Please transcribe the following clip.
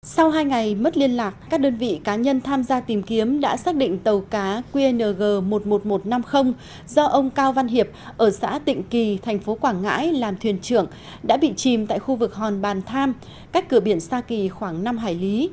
sau hai ngày mất liên lạc các đơn vị cá nhân tham gia tìm kiếm đã xác định tàu cá qng một mươi một nghìn một trăm năm mươi do ông cao văn hiệp ở xã tịnh kỳ tp quảng ngãi làm thuyền trưởng đã bị chìm tại khu vực hòn bàn tham cách cửa biển sa kỳ khoảng năm hải lý